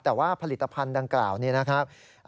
แต่ว่าผลิตภัณฑ์ดังกล่าวนี้นะครับ